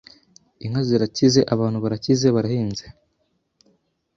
Inka zirakize, abantu barakize, barahinze